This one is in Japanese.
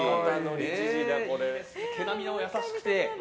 毛並みも優しくて。